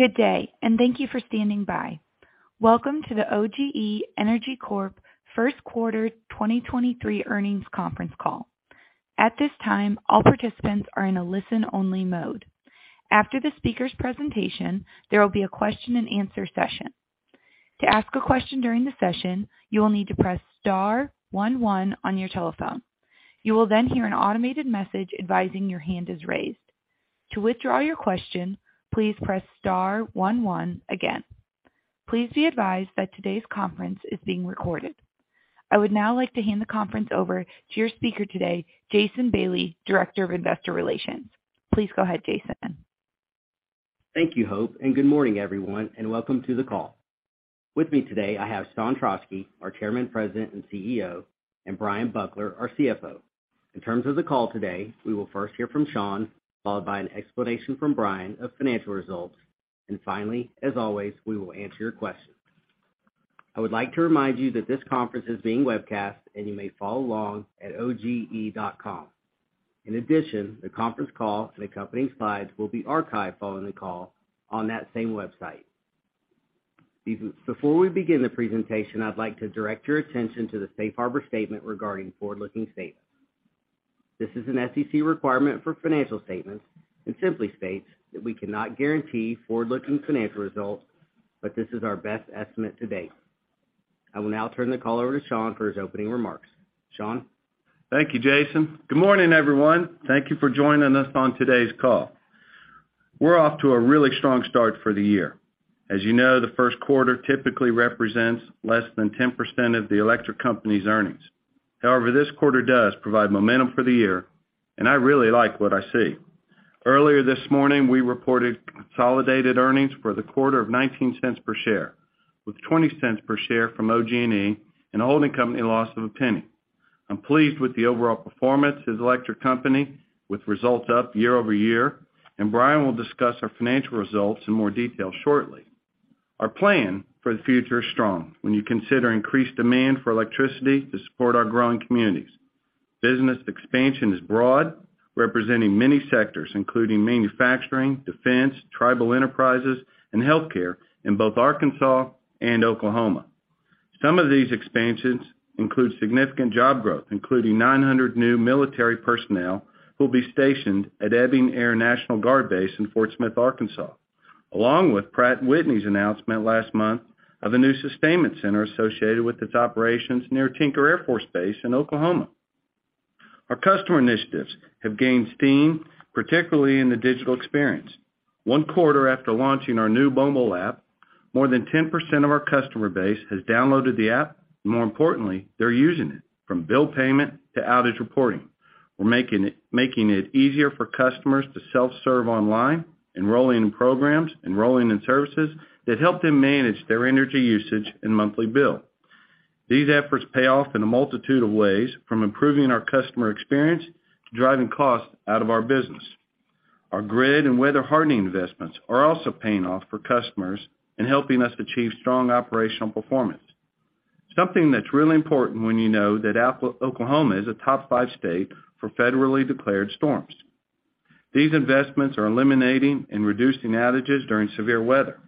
Good day, and thank you for standing by. Welcome to the OGE Energy Corp First Quarter 2023 Earnings Conference Call. At this time, all participants are in a listen-only mode. After the speaker's presentation, there will be a question-and-answer session. To ask a question during the session, you will need to press star one one on your telephone. You will then hear an automated message advising your hand is raised. To withdraw your question, please press star one one again. Please be advised that today's conference is being recorded. I would now like to hand the conference over to your speaker today, Jason Bailey, Director of Investor Relations. Please go ahead, Jason. Thank you, Hope. Good morning, everyone, and welcome to the call. With me today, I have Sean Trauschke, our Chairman, President, and CEO, and Bryan Buckler, our CFO. In terms of the call today, we will first hear from Sean, followed by an explanation from Bryan of financial results. Finally, as always, we will answer your questions. I would like to remind you that this conference is being webcast, and you may follow along at oge.com. In addition, the conference call and accompanying slides will be archived following the call on that same website. Before we begin the presentation, I'd like to direct your attention to the Safe Harbor statement regarding forward-looking statements. This is an SEC requirement for financial statements and simply states that we cannot guarantee forward-looking financial results, but this is our best estimate to date. I will now turn the call over to Sean for his opening remarks. Sean? Thank you, Jason. Good morning, everyone. Thank you for joining us on today's call. We're off to a really strong start for the year. As you know, the first quarter typically represents less than 10% of the electric company's earnings. However, this quarter does provide momentum for the year, and I really like what I see. Earlier this morning, we reported consolidated earnings for the quarter of $0.19 per share, with $0.20 per share from OG&E and a holding company loss of $0.01. I'm pleased with the overall performance of the electric company, with results up year-over-year. Bryan will discuss our financial results in more detail shortly. Our plan for the future is strong when you consider increased demand for electricity to support our growing communities. Business expansion is broad, representing many sectors, including manufacturing, defense, tribal enterprises, and healthcare in both Arkansas and Oklahoma. Some of these expansions include significant job growth, including 900 new military personnel who will be stationed at Ebbing Air National Guard Base in Fort Smith, Arkansas, along with Pratt & Whitney's announcement last month of a new sustainment center associated with its operations near Tinker Air Force Base in Oklahoma. Our customer initiatives have gained steam, particularly in the digital experience. One quarter after launching our new mobile app, more than 10% of our customer base has downloaded the app. More importantly, they're using it from bill payment to outage reporting. We're making it easier for customers to self-serve online, enrolling in programs, enrolling in services that help them manage their energy usage and monthly bill. These efforts pay off in a multitude of ways, from improving our customer experience to driving costs out of our business. Our grid and weather hardening investments are also paying off for customers and helping us achieve strong operational performance. Something that's really important when you know that Oklahoma is a top five state for federally declared storms. These investments are eliminating and reducing outages during severe weather.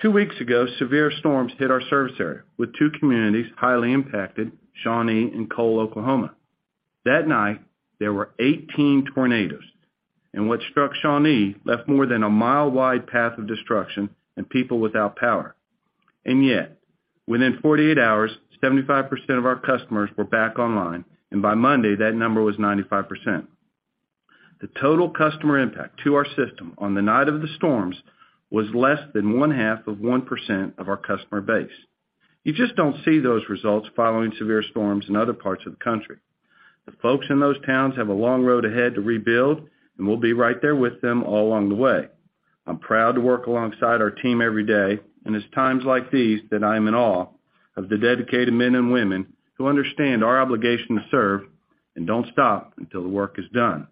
Two weeks ago, severe storms hit our service area, with 2 communities highly impacted, Shawnee and Cole, Oklahoma. That night, there were 18 tornadoes, and what struck Shawnee left more than a mile-wide path of destruction and people without power. Yet, within 48 hours, 75% of our customers were back online, and by Monday, that number was 95%. The total customer impact to our system on the night of the storms was less than one half of 1% of our customer base. You just don't see those results following severe storms in other parts of the country. The folks in those towns have a long road ahead to rebuild. We'll be right there with them all along the way. I'm proud to work alongside our team every day. It's times like these that I am in awe of the dedicated men and women who understand our obligation to serve and don't stop until the work is done.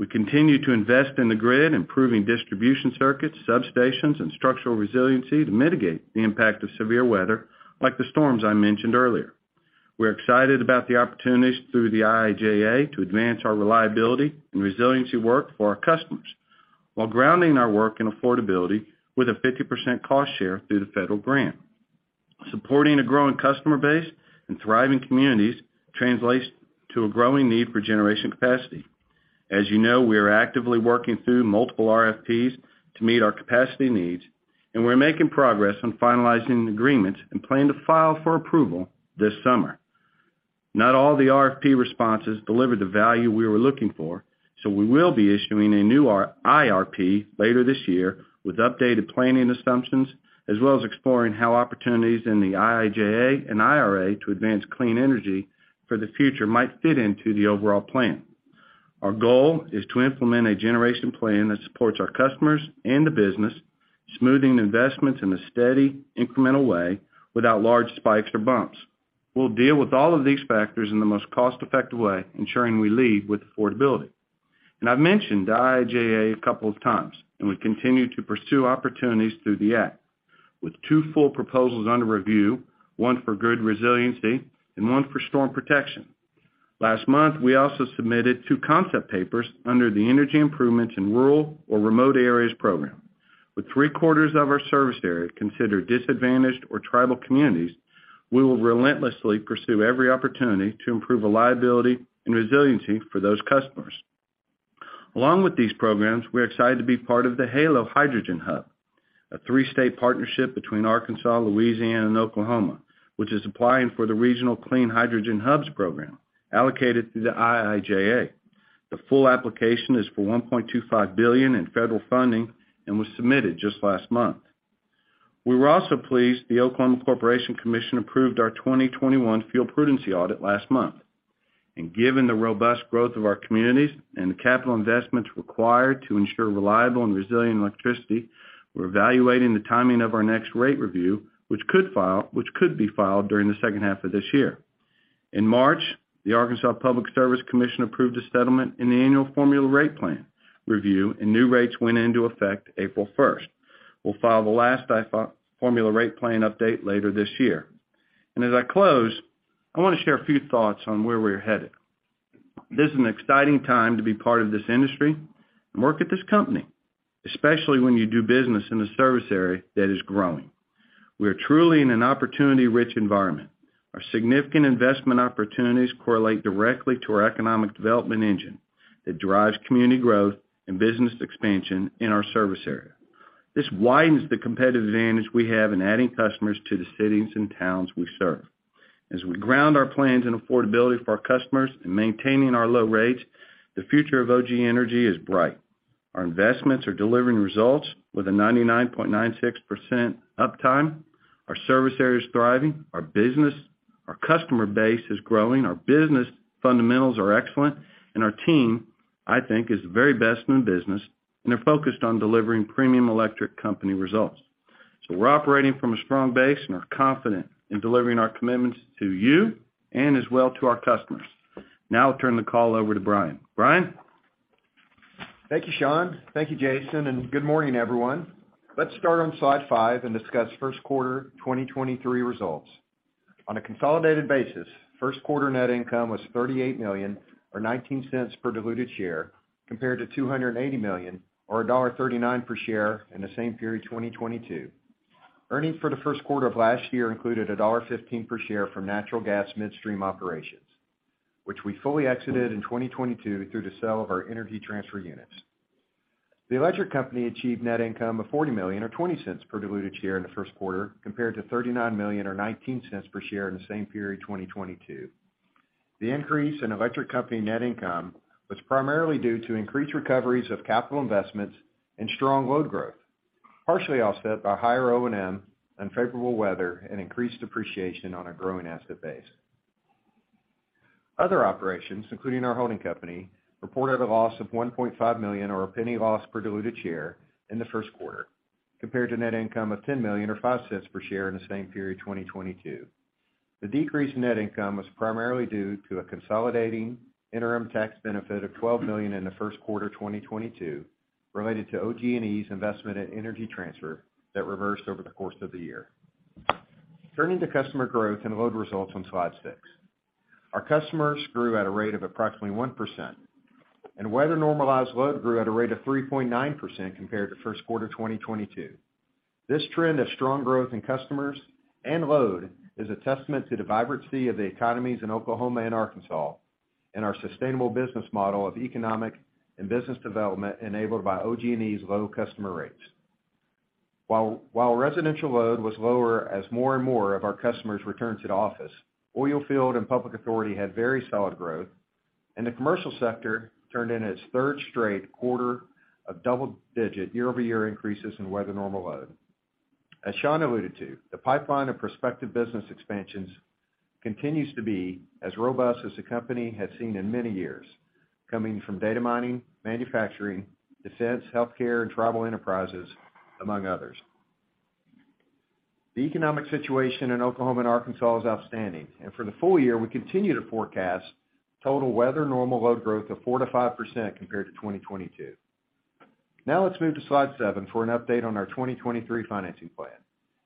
We continue to invest in the grid, improving distribution circuits, substations, and structural resiliency to mitigate the impact of severe weather like the storms I mentioned earlier. We're excited about the opportunities through the IIJA to advance our reliability and resiliency work for our customers while grounding our work in affordability with a 50% cost share through the federal grant. Supporting a growing customer base and thriving communities translates to a growing need for generation capacity. As you know, we are actively working through multiple RFPs to meet our capacity needs, and we're making progress on finalizing the agreements and plan to file for approval this summer. Not all the RFP responses delivered the value we were looking for, so we will be issuing a new IRP later this year with updated planning assumptions as well as exploring how opportunities in the IIJA and IRA to advance clean energy for the future might fit into the overall plan. Our goal is to implement a generation plan that supports our customers and the business, smoothing investments in a steady, incremental way without large spikes or bumps. We'll deal with all of these factors in the most cost-effective way, ensuring we lead with affordability. I've mentioned the IIJA a couple of times, and we continue to pursue opportunities through the act with two full proposals under review, one for grid resiliency and onefor storm protection. Last month, we also submitted two concept papers under the Energy Improvements in Rural or Remote Areas program. With three-quarters of our service area considered disadvantaged or tribal communities, we will relentlessly pursue every opportunity to improve reliability and resiliency for those customers. Along with these programs, we're excited to be part of the HALO Hydrogen Hub, a three-state partnership between Arkansas, Louisiana and Oklahoma, which is applying for the Regional Clean Hydrogen Hubs program allocated through the IIJA. The full application is for $1.25 billion in federal funding and was submitted just last month. We were also pleased the Oklahoma Corporation Commission approved our 2021 fuel prudency audit last month. Given the robust growth of our communities and the capital investments required to ensure reliable and resilient electricity, we're evaluating the timing of our next rate review, which could be filed during the second half of this year. In March, the Arkansas Public Service Commission approved a settlement in the annual formula rate plan review. New rates went into effect April 1st. We'll file the last formula rate plan update later this year. As I close, I wanna share a few thoughts on where we're headed. This is an exciting time to be part of this industry and work at this company, especially when you do business in a service area that is growing. We are truly in an opportunity-rich environment. Our significant investment opportunities correlate directly to our economic development engine that drives community growth and business expansion in our service area. This widens the competitive advantage we have in adding customers to the cities and towns we serve. As we ground our plans in affordability for our customers in maintaining our low rates, the future of OGE Energy is bright. Our investments are delivering results with a 99.96% uptime. Our service area is thriving, our business, our customer base is growing, our business fundamentals are excellent, and our team, I think, is the very best in the business and are focused on delivering premium electric company results. We're operating from a strong base and are confident in delivering our commitments to you and as well to our customers. Now I'll turn the call over to Bryan. Bryan? Thank you, Sean. Thank you, Jason. Good morning, everyone. Let's start on slide five and discuss first quarter 2023 results. On a consolidated basis, first quarter net income was $38 million or $0.19 per diluted share, compared to $280 million or $1.39 per share in the same period 2022. Earnings for the first quarter of last year included $1.15 per share from natural gas midstream operations, which we fully exited in 2022 through the sale of our Energy Transfer units. The electric company achieved net income of $40 million or $0.20 per diluted share in the first quarter, compared to $39 million or $0.19 per share in the same period 2022. The increase in electric company net income was primarily due to increased recoveries of capital investments and strong load growth, partially offset by higher O&M and favorable weather and increased depreciation on a growing asset base. Other operations, including our holding company, reported a loss of $1.5 million or a $0.01 loss per diluted share in the first quarter compared to net income of $10 million or $0.05 per share in the same period 2022. The decrease in net income was primarily due to a consolidating interim tax benefit of $12 million in the first quarter 2022 related to OG&E's investment in Energy Transfer that reversed over the course of the year. Turning to customer growth and load results on slide six. Our customers grew at a rate of approximately 1%, and weather-normalized load grew at a rate of 3.9% compared to first quarter 2022. This trend of strong growth in customers and load is a testament to the vibrancy of the economies in Oklahoma and Arkansas and our sustainable business model of economic and business development enabled by OG&E's low customer rates. While residential load was lower as more and more of our customers returned to the office, oil field and public authority had very solid growth, and the commercial sector turned in its third straight quarter of double-digit year-over-year increases in weather normal load. As Sean alluded to, the pipeline of prospective business expansions continues to be as robust as the company has seen in many years, coming from data mining, manufacturing, defense, healthcare, and tribal enterprises, among others. The economic situation in Oklahoma and Arkansas is outstanding. For the full year, we continue to forecast total weather normal load growth of 4%-5% compared to 2022. Let's move to Slide seven for an update on our 2023 financing plan.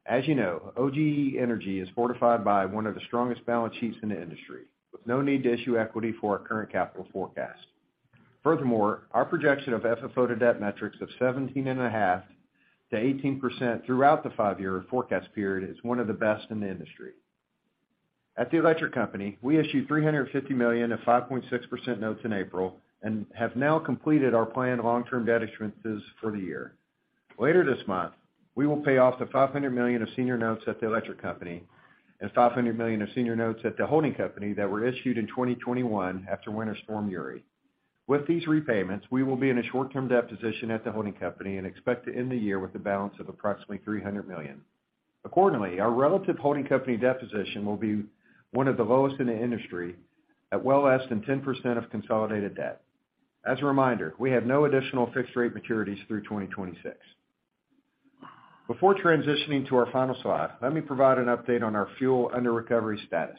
As you know, OGE Energy is fortified by one of the strongest balance sheets in the industry, with no need to issue equity for our current capital forecast. Furthermore, our projection of FFO to debt metrics of 17.5%-18% throughout the five-year forecast period is one of the best in the industry. At the electric company, we issued $350 million of 5.6% notes in April and have now completed our planned long-term debt issuances for the year. Later this month, we will pay off the $500 million of senior notes at the electric company and $500 million of senior notes at the holding company that were issued in 2021 after Winter Storm Uri. With these repayments, we will be in a short-term debt position at the holding company and expect to end the year with a balance of approximately $300 million. Accordingly, our relative holding company debt position will be one of the lowest in the industry at well less than 10% of consolidated debt. As a reminder, we have no additional fixed-rate maturities through 2026. Before transitioning to our final slide, let me provide an update on our fuel underrecovery status.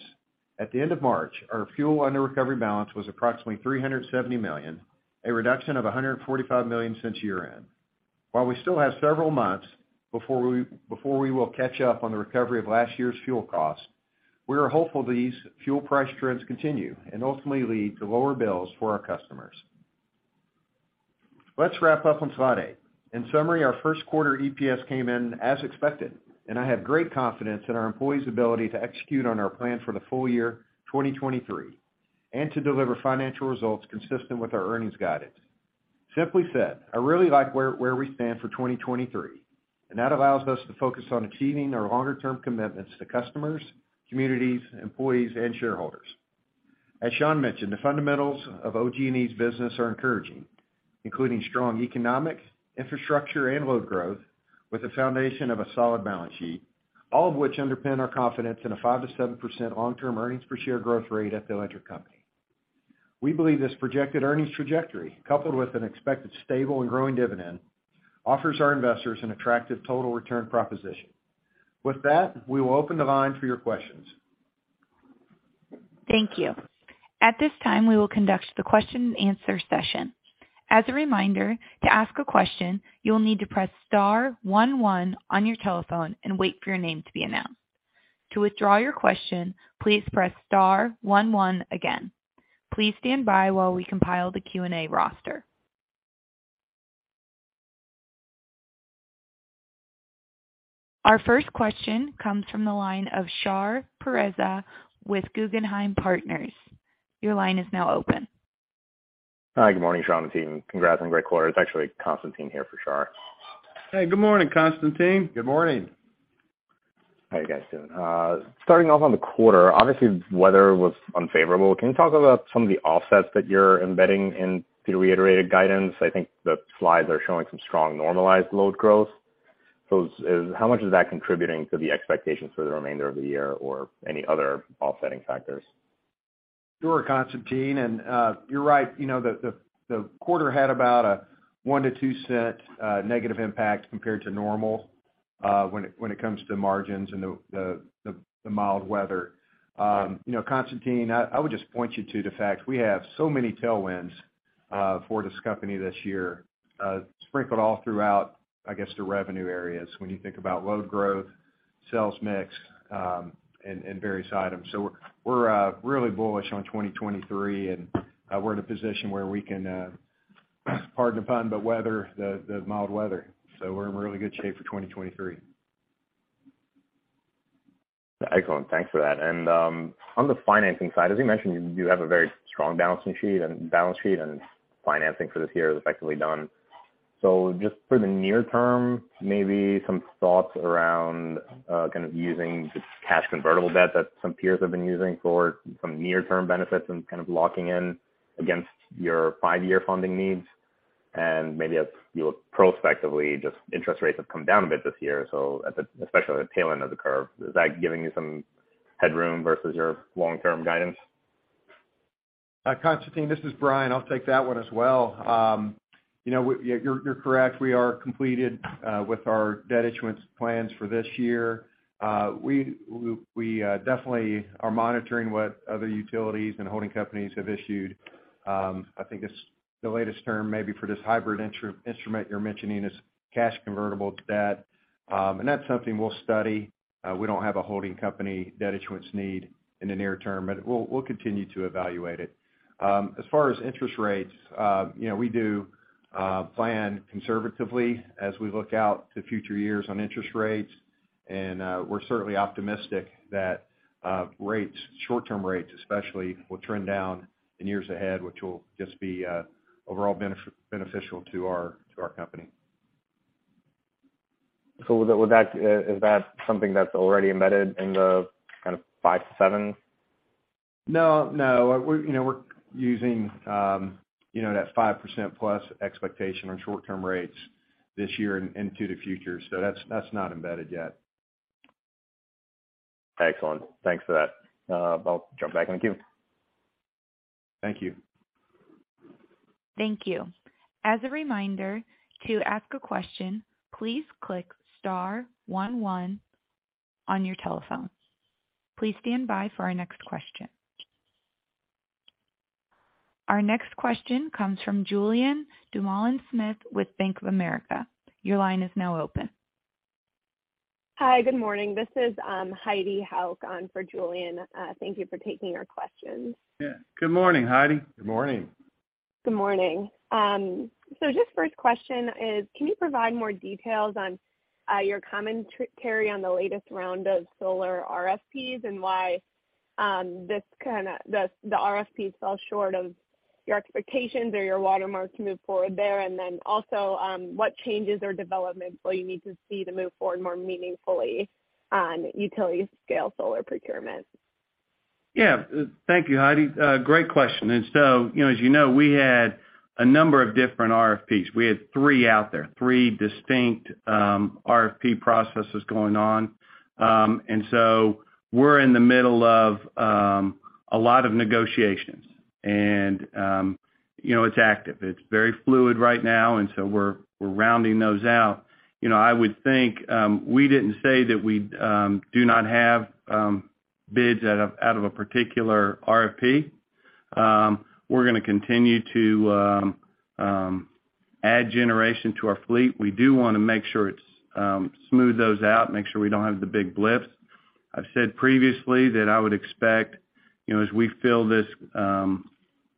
At the end of March, our fuel underrecovery balance was approximately $370 million, a reduction of $145 million since year-end. While we still have several months before we will catch up on the recovery of last year's fuel costs, we are hopeful these fuel price trends continue and ultimately lead to lower bills for our customers. Let's wrap up on slide eight. In summary, our first quarter EPS came in as expected. I have great confidence in our employees' ability to execute on our plan for the full year 2023, and to deliver financial results consistent with our earnings guidance. Simply said, I really like where we stand for 2023. That allows us to focus on achieving our longer-term commitments to customers, communities, employees, and shareholders. As Sean mentioned, the fundamentals of OG&E's business are encouraging, including strong economic, infrastructure and load growth with the foundation of a solid balance sheet, all of which underpin our confidence in a 5%-7% long-term earnings per share growth rate at the electric company. We believe this projected earnings trajectory, coupled with an expected stable and growing dividend, offers our investors an attractive total return proposition. With that, we will open the line for your questions. Thank you. At this time, we will conduct the question-and-answer session. As a reminder, to ask a question, you will need to press star one one on your telephone and wait for your name to be announced. To withdraw your question, please press star one one again. Please stand by while we compile the Q&A roster. Our first question comes from the line of Shahriar Pourreza with Guggenheim Partners. Your line is now open. Hi. Good morning, Sean and team. Congrats on great quarter. It's actually Constantine here for Char. Hey, good morning, Constantine. Good morning. How you guys doing? Starting off on the quarter, obviously, weather was unfavorable. Can you talk about some of the offsets that you're embedding in the reiterated guidance? I think the slides are showing some strong normalized load growth. How much is that contributing to the expectations for the remainder of the year or any other offsetting factors? Sure, Constantine. You're right. You know, the quarter had about a $0.01-$0.02 negative impact compared to normal when it comes to margins and the mild weather. You know, Constantine, I would just point you to the fact we have so many tailwinds for this company this year, sprinkled all throughout, I guess, the revenue areas when you think about load growth, sales mix, and various items. We're really bullish on 2023, and we're in a position where we can, pardon the pun, but weather the mild weather. We're in really good shape for 2023. Excellent. Thanks for that. On the financing side, as you mentioned, you do have a very strong balance sheet and financing for this year is effectively done. Just for the near term, maybe some thoughts around kind of using the cash convertible debt that some peers have been using for some near-term benefits and kind of locking in against your five year funding needs. Maybe as you look prospectively, just interest rates have come down a bit this year, so especially at the tail end of the curve. Is that giving you some headroom versus your long-term guidance? Constantine, this is Brian. I'll take that one as well. You know, you're correct. We are completed with our debt issuance plans for this year. We definitely are monitoring what other utilities and holding companies have issued. I think it's the latest term maybe for this hybrid instrument you're mentioning is cash convertible debt. And that's something we'll study. We don't have a holding company debt issuance need in the near term, but we'll continue to evaluate it. As far as interest rates, you know, we do plan conservatively as we look out to future years on interest rates. We're certainly optimistic that rates, short-term rates especially, will trend down in years ahead, which will just be overall beneficial to our company. Is that something that's already embedded in the kind of five to seven? No, no. We're, you know, we're using, you know, that 5%+ expectation on short-term rates this year and into the future. That's, that's not embedded yet. Excellent. Thanks for that. I'll jump back in the queue. Thank you. Thank you. As a reminder to ask a question, please click star one one on your telephone. Please stand by for our next question. Our next question comes from Julien Dumoulin-Smith with Bank of America. Your line is now open. Hi. Good morning. This is Heidi Hauch on for Julien. Thank you for taking our questions. Good morning, Heidi. Good morning. Good morning Just first question is, can you provide more details on your commentary on the latest round of solar RFPs and why the RFP fell short of your expectations or your watermark to move forward there? Also, what changes or developments will you need to see to move forward more meaningfully on utility scale solar procurement? Thank you, Heidi. Great question. You know, as you know, we had a number of different RFPs. We had three out there, three distinct RFP processes going on. We're in the middle of a lot of negotiations. You know, it's active. It's very fluid right now, we're rounding those out. You know, I would think, we didn't say that we do not have bids out of a particular RFP. We're gonna continue to add generation to our fleet. We do wanna make sure it's smooth those out, make sure we don't have the big blips. I've said previously that I would expect, you know, as we fill this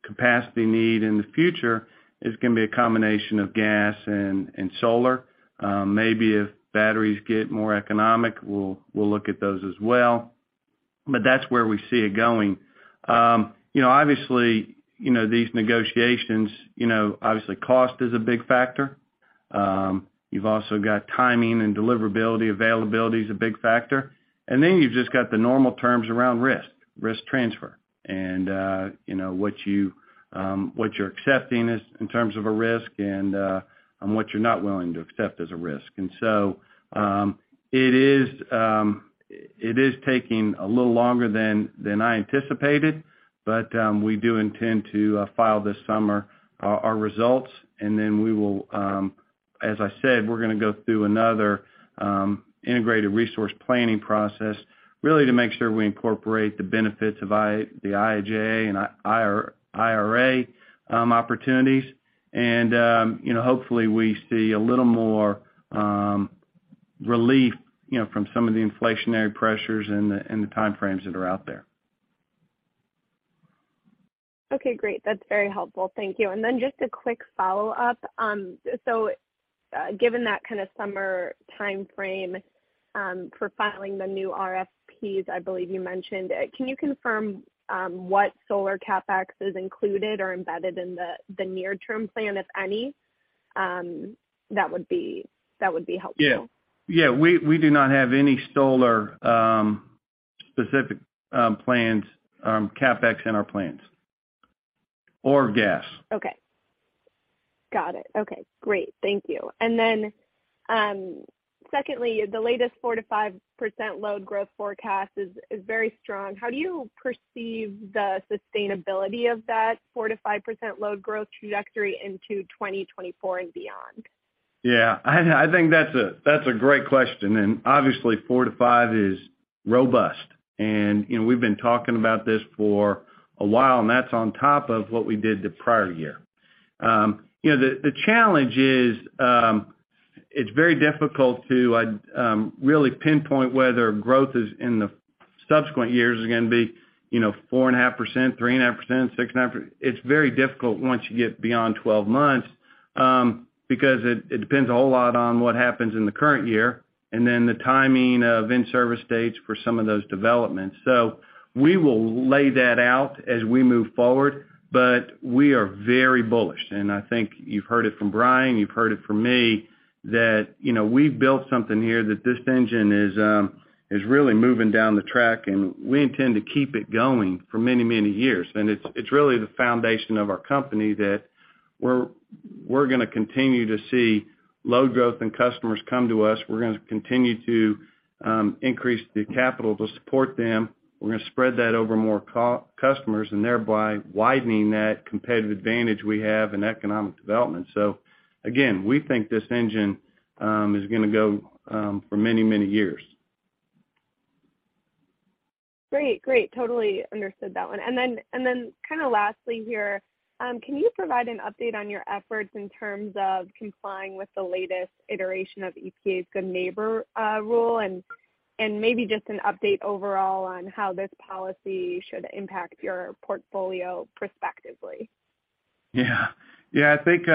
capacity need in the future, it's gonna be a combination of gas and solar. Maybe if batteries get more economic, we'll look at those as well. That's where we see it going. You know, obviously, you know, these negotiations, you know, obviously cost is a big factor. You've also got timing and deliverability, availability is a big factor. Then you've just got the normal terms around risk transfer. You know, what you, what you're accepting in terms of a risk and, on what you're not willing to accept as a risk. It is taking a little longer than I anticipated, but we do intend to file this summer our results. We will, as I said, we're gonna go through another integrated resource planning process, really to make sure we incorporate the benefits of the IIJA and IRA opportunities. You know, hopefully we see a little more relief, you know, from some of the inflationary pressures and the time frames that are out there. Okay, great. That's very helpful. Thank you. Just a quick follow-up. Given that kind of summer timeframe, for filing the new RFPs, I believe you mentioned, can you confirm what solar CapEx is included or embedded in the near-term plan, if any? That would be helpful. Yeah. Yeah. We do not have any solar, specific, plans, CapEx in our plans or gas. Okay. Got it. Okay, great. Thank you. Then, secondly, the latest 4%-5% load growth forecast is very strong. How do you perceive the sustainability of that 4%-5% load growth trajectory into 2024 and beyond? Yeah. I think that's a great question. Obviously, 4%-5% is robust. You know, we've been talking about this for a while, and that's on top of what we did the prior year. You know, the challenge is, it's very difficult to really pinpoint whether growth is in the subsequent years is gonna be, you know, 4.5%, 3.5%, 6.5%. It's very difficult once you get beyond 12 months, because it depends a whole lot on what happens in the current year and then the timing of in-service dates for some of those developments. We will lay that out as we move forward, but we are very bullish. I think you've heard it from Bryan, you've heard it from me that, you know, we've built something here that this engine is really moving down the track, and we intend to keep it going for many, many years. It's really the foundation of our company that we're gonna continue to see load growth and customers come to us. We're gonna continue to increase the capital to support them. We're gonna spread that over more customers and thereby widening that competitive advantage we have in economic development. Again, we think this engine is gonna go for many, many years. Great. Great. Totally understood that one. Kinda lastly here, can you provide an update on your efforts in terms of complying with the latest iteration of EPA's Good Neighbor Rule and maybe just an update overall on how this policy should impact your portfolio prospectively? Yeah. Yeah. I think,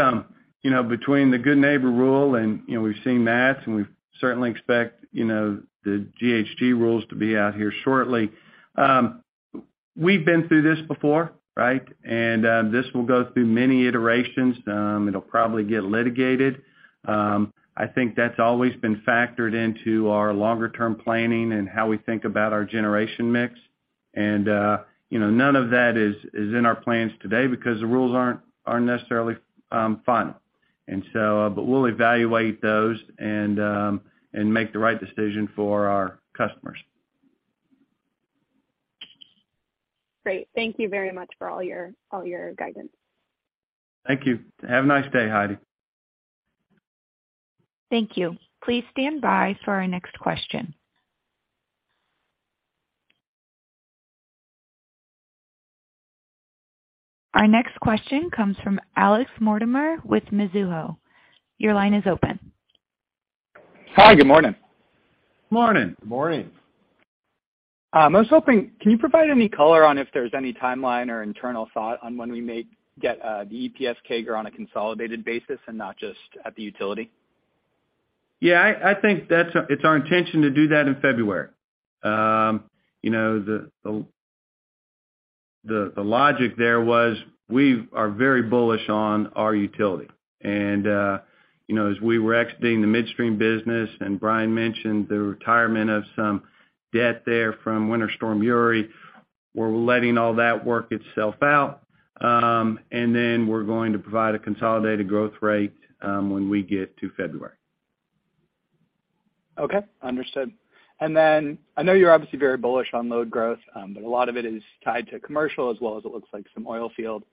you know, between the Good Neighbor Rule and, you know, we've seen that, we certainly expect, you know, the GHG rules to be out here shortly. We've been through this before, right? This will go through many iterations. It'll probably get litigated. I think that's always been factored into our longer term planning and how we think about our generation mix. You know, none of that is in our plans today because the rules aren't necessarily final. We'll evaluate those and make the right decision for our customers. Great. Thank you very much for all your, all your guidance. Thank you. Have a nice day, Heidi. Thank you. Please stand by for our next question. Our next question comes from Alex Mortimer with Mizuho. Your line is open. Hi. Good morning. Morning. Morning. I was hoping, can you provide any color on if there's any timeline or internal thought on when we may get the EPS CAGR on a consolidated basis and not just at the utility? Yeah, I think it's our intention to do that in February. You know, the logic there was we are very bullish on our utility. You know, as we were exiting the midstream business, and Brian mentioned the retirement of some debt there from Winter Storm Uri, we're letting all that work itself out. We're going to provide a consolidated growth rate when we get to February. Okay. Understood. I know you're obviously very bullish on load growth, but a lot of it is tied to commercial as well as it looks like some oil field.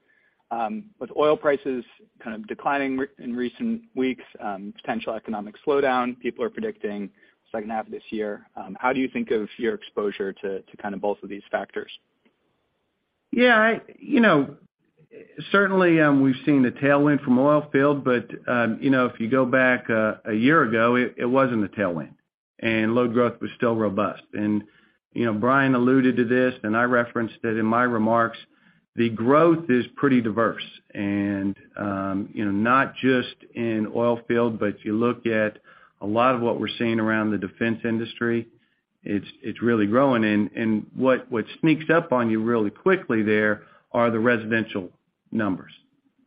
With oil prices kind of declining in recent weeks, potential economic slowdown, people are predicting second half of this year, how do you think of your exposure to kind of both of these factors? Yeah, you know, certainly, we've seen a tailwind from oil field, but, you know, if you go back, a year ago, it wasn't a tailwind, and load growth was still robust. You know, Bryan alluded to this, and I referenced it in my remarks. The growth is pretty diverse. You know, not just in oil field, but if you look at a lot of what we're seeing around the defense industry, it's really growing. What sneaks up on you really quickly there are the residential numbers.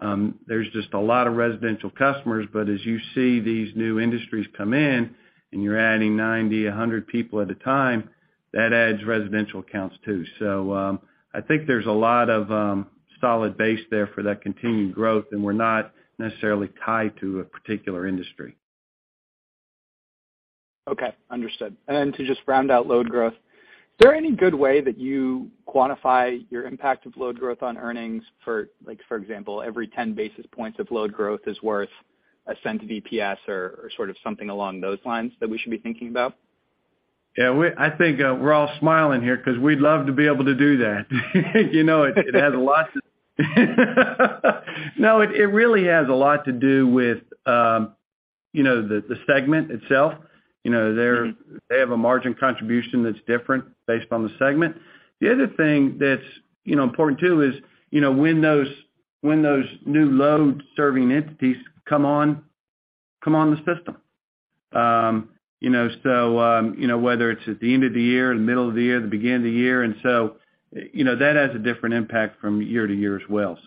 There's just a lot of residential customers, but as you see these new industries come in, and you're adding 90, 100 people at a time, that adds residential accounts too. I think there's a lot of solid base there for that continued growth, and we're not necessarily tied to a particular industry. Understood. To just round out load growth, is there any good way that you quantify your impact of load growth on earnings for, like, for example, every 10 basis points of load growth is worth $0.01 to EPS or sort of something along those lines that we should be thinking about? Yeah, I think we're all smiling here 'cause we'd love to be able to do that. You know, it really has a lot to do with, you know, the segment itself. Mm-hmm. They have a margin contribution that's different based on the segment. The other thing that's, you know, important too is, you know, when those new load-serving entities come on the system. you know, so, you know, whether it's at the end of the year, the middle of the year, the beginning of the year. you know, that has a different impact from year to year as well.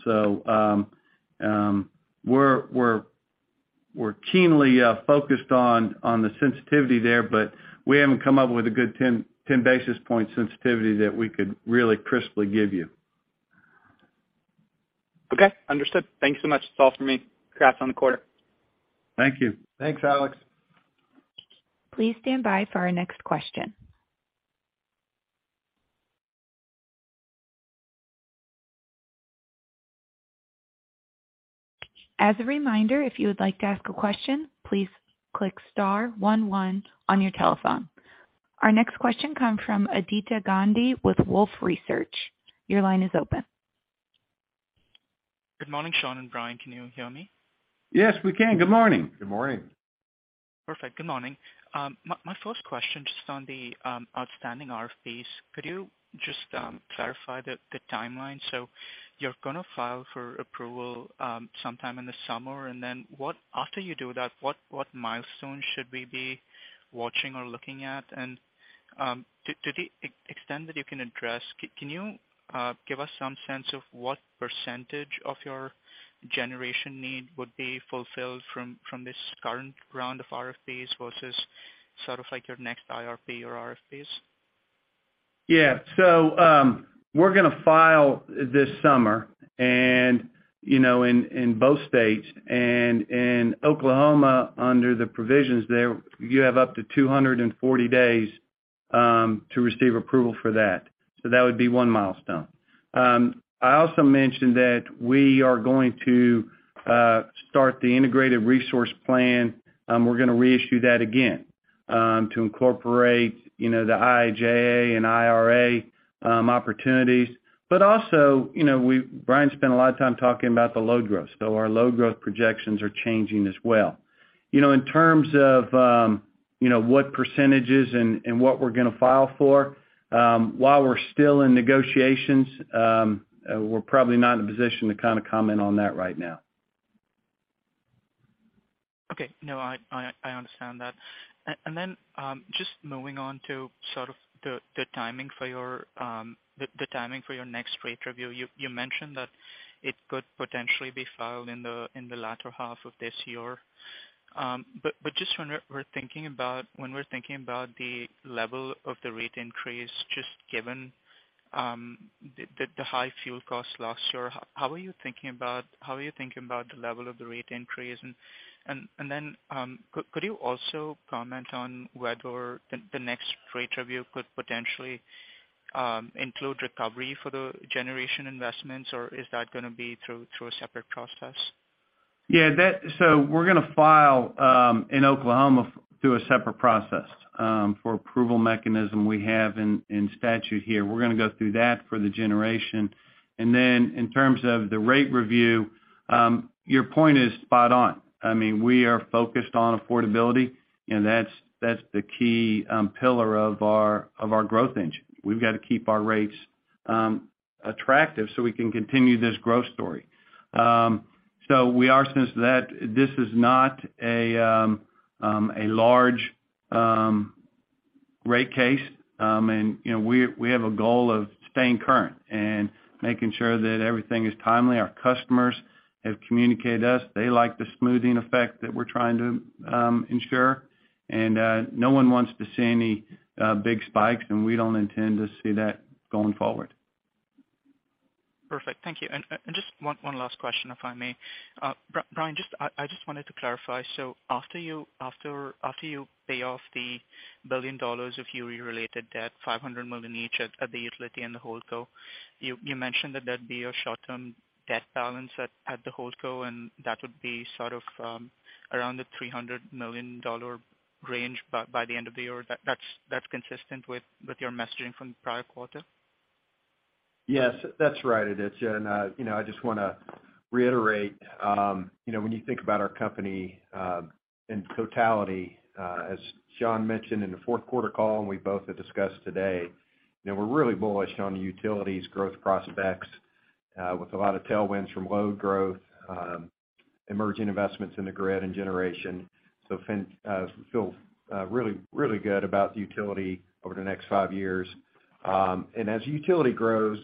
We're keenly focused on the sensitivity there, but we haven't come up with a good 10 basis point sensitivity that we could really crisply give you. Okay. Understood. Thank you so much. That's all for me. Congrats on the quarter. Thank you. Thanks, Alex. Please stand by for our next question. As a reminder, if you would like to ask a question, please click star one one on your telephone. Our next question comes from Aditya Gandhi with Wolfe Research. Your line is open. Good morning, Sean and Bryan. Can you hear me? Yes, we can. Good morning. Good morning. Perfect. Good morning. My first question, just on the outstanding RFPs, could you just clarify the timeline? You're gonna file for approval sometime in the summer, and then after you do that, what milestones should we be watching or looking at? To the extent that you can address, can you give us some sense of what percentage of your generation need would be fulfilled from this current round of RFPs versus sort of like your next IRP or RFPs? Yeah. we're gonna file this summer and, you know, in both states. In Oklahoma, under the provisions there, you have up to 240 days to receive approval for that. That would be one milestone. I also mentioned that we are going to start the Integrated Resource Plan. We're gonna reissue that again to incorporate, you know, the IIJA and IRA opportunities. Also, you know, Bryan spent a lot of time talking about the load growth. Our load growth projections are changing as well. You know, in terms of, you know, what percentages and what we're gonna file for, while we're still in negotiations, we're probably not in a position to kind of comment on that right now. Okay. No, I understand that. Just moving on to sort of the timing for your next rate review. You mentioned that it could potentially be filed in the latter half of this year. Just when we're thinking about the level of the rate increase, just given the high fuel costs last year, how are you thinking about the level of the rate increase? Could you also comment on whether the next rate review could potentially include recovery for the generation investments, or is that gonna be through a separate process? Yeah, we're gonna file in Oklahoma through a separate process for approval mechanism we have in statute here. We're gonna go through that for the generation. Then in terms of the rate review, your point is spot on. I mean, we are focused on affordability, and that's the key pillar of our, of our growth engine. We've got to keep our rates attractive so we can continue this growth story. We are sensitive to that. This is not a large rate case. You know, we have a goal of staying current and making sure that everything is timely. Our customers have communicated to us they like the smoothing effect that we're trying to ensure. No one wants to see any big spikes, and we don't intend to see that going forward. Perfect. Thank you. Just one last question, if I may. Bryan, I just wanted to clarify. After you pay off the $1 billion of Uri-related debt, $500 million each at the utility and the holdco, you mentioned that that'd be a short-term debt balance at the holdco, and that would be sort of around the $300 million range by the end of the year. That's consistent with your messaging from the prior quarter? Yes. That's right, Aditya. You know, I just want to reiterate, you know, when you think about our company, in totality, as Sean mentioned in the fourth quarter call, and we both have discussed today, you know, we're really bullish on the utilities growth prospects, with a lot of tailwinds from load growth, emerging investments in the grid and generation. Feel really, really good about the utility over the next five years. As the utility grows,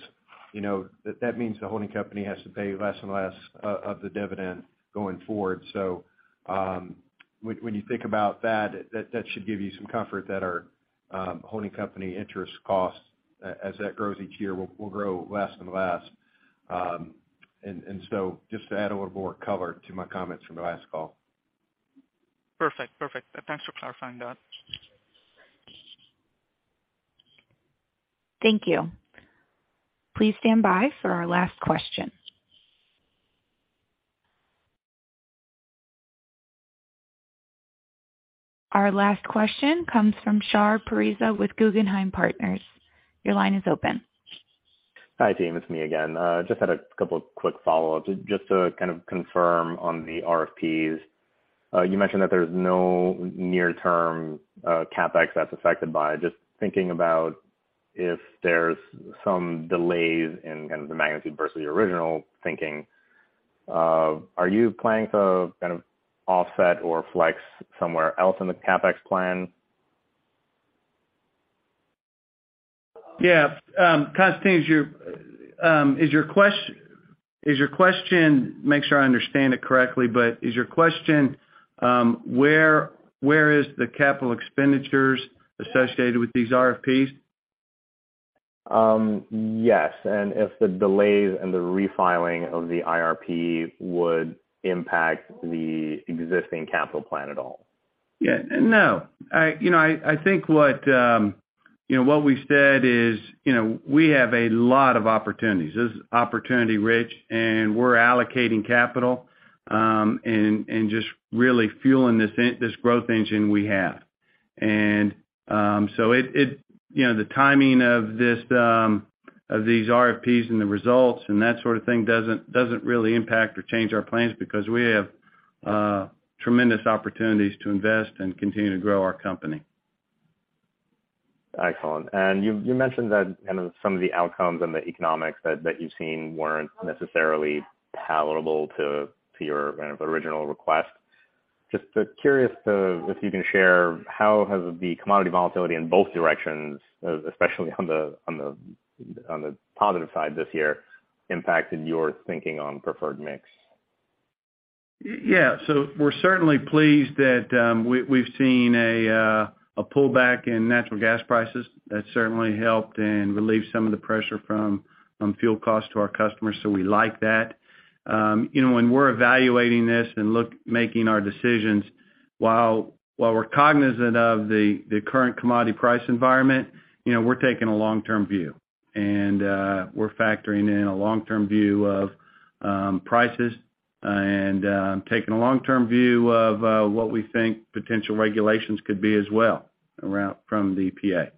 you know, that means the holding company has to pay less and less of the dividend going forward. When you think about that should give you some comfort that our, holding company interest costs, as that grows each year, will grow less and less. Just to add a little more color to my comments from the last call. Perfect. Thanks for clarifying that. Thank you. Please stand by for our last question. Our last question comes from Shahriar Pourreza with Guggenheim Partners. Your line is open. Hi, team. It's me again. Just had a couple of quick follow-ups. Just to kind of confirm on the RFPs, you mentioned that there's no near-term CapEx that's affected by. Just thinking about if there's some delays in kind of the magnitude versus the original thinking, are you planning to kind of offset or flex somewhere else in the CapEx plan? Yeah. Constantine, is your question, make sure I understand it correctly, but is your question, where is the capital expenditures associated with these RFPs? Yes. If the delays and the refiling of the IRP would impact the existing capital plan at all? Yeah. No. I, you know, I think what, you know, what we said is, you know, we have a lot of opportunities. This is opportunity rich, and we're allocating capital, and just really fueling this growth engine we have. It, you know, the timing of this, of these RFPs and the results and that sort of thing doesn't really impact or change our plans because we have tremendous opportunities to invest and continue to grow our company. Excellent. You mentioned that kind of some of the outcomes and the economics that you've seen weren't necessarily palatable to your kind of original request. Just curious if you can share how has the commodity volatility in both directions, especially on the positive side this year, impacted your thinking on preferred mix? Yeah. We're certainly pleased that we've seen a pullback in natural gas prices. That certainly helped and relieved some of the pressure from fuel costs to our customers, so we like that. You know, when we're evaluating this and making our decisions, while we're cognizant of the current commodity price environment, you know, we're taking a long-term view. We're factoring in a long-term view of prices and taking a long-term view of what we think potential regulations could be as well from the EPA.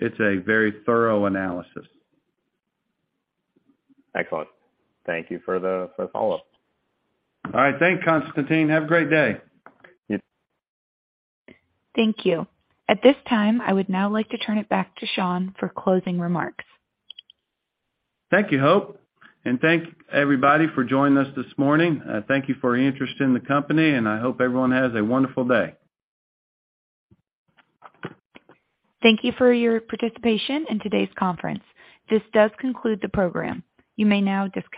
It's a very thorough analysis. Excellent. Thank you for the follow-up. All right. Thanks, Constantine. Have a great day. Yeah. Thank you. At this time, I would now like to turn it back to Sean for closing remarks. Thank you, Hope. Thank everybody for joining us this morning. Thank you for your interest in the company, and I hope everyone has a wonderful day. Thank you for your participation in today's conference. This does conclude the program. You may now disconnect.